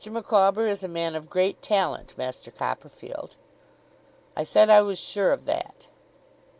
Micawber is a man of great talent, Master Copperfield.' I said I was sure of that.